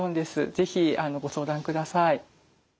是非ご相談ください。